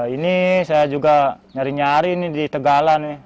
ini saya juga nyari nyari nih di tegala nih